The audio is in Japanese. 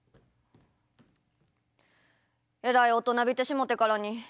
えらい大人びてしもてからに。